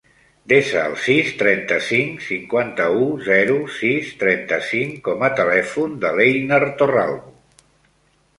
Desa el sis, trenta-cinc, cinquanta-u, zero, sis, trenta-cinc com a telèfon de l'Einar Torralbo.